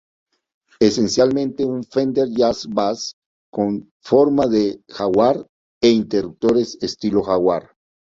Esencialmente un Fender Jazz Bass con forma de Jaguar e interruptores estilo Jaguar.